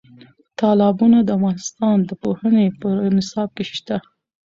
تالابونه د افغانستان د پوهنې په نصاب کې شته.